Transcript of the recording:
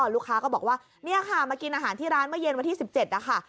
ลูกค้าก็บอกว่าเนี่ยค่ะมากินอาหารที่ร้านเมื่อเย็นวันที่๑๗นะคะ